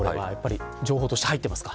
情報として入ってますか。